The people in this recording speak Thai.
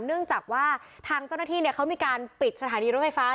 เนื่องจากว่าทางเจ้าหน้าที่เขามีการปิดสถานีรถไฟฟ้า